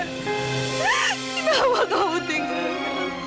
kenapa kamu tinggalin aku